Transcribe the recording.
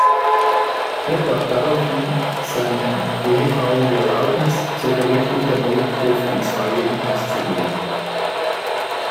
Er gab daraufhin seinen Ehefrauen die Erlaubnis, zur Verrichtung der Notdurft ins Freie hinauszugehen.